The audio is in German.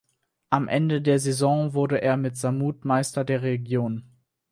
Am Ende der Saison wurde er mit Samut Meister der Region.